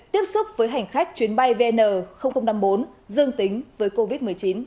tiếp xúc với hành khách chuyến bay vn năm mươi bốn dương tính với covid một mươi chín